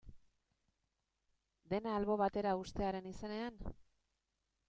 Dena albo batera uztearen izenean?